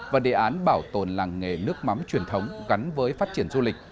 và đề án bảo tồn làng nghề nước mắm truyền thống gắn với phát triển du lịch